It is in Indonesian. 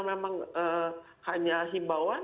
memang hanya himbauan